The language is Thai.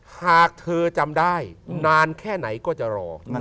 หากเธอจำได้นานแค่ไหนก็จะรอ